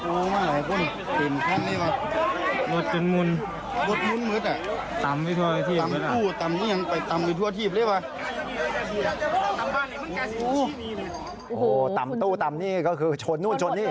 โอ้โหต่ำตู้ต่ำนี่ก็คือชนนู่นชนนี่